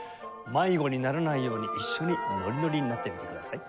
迷子にならないように一緒にノリノリになってみてください。